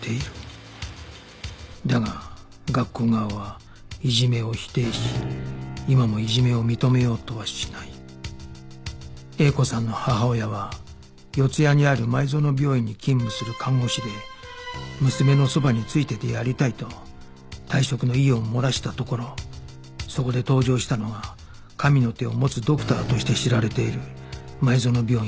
「だが学校側はいじめを否定し今もいじめを認めようとはしない」「Ａ子さんの母親は四谷にある前園病院に勤務する看護師で娘のそばについていてやりたいと退職の意を漏らしたところそこで登場したのが神の手を持つドクターとして知られている前園病院